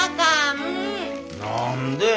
何で？